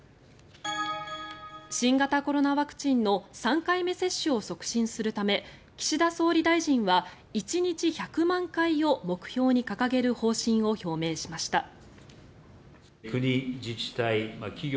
新型コロナワクチンの３回目接種を促進するため岸田総理大臣は１日１００万回を目標に掲げる方針を表明しました。